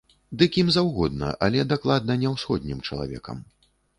Ды кім заўгодна, але дакладна не ўсходнім чалавекам.